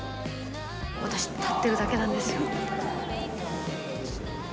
私、立ってるだけなんですよ。